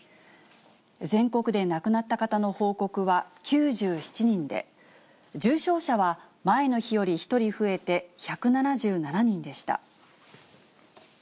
全国で亡くなった方の報告は９７人で、重症者は前の日より１人増えて１７７人でした。